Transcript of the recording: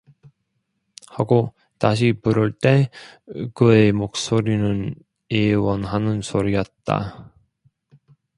하고 다시 부를 때 그의 목소리는 애원하는 소리였다.